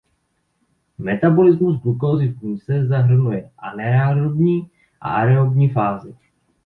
Metabolismus glukózy v buňce zahrnuje anaerobní a aerobní fázi.